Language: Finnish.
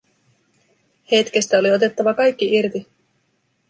Hetkestä oli otettava kaikki irti.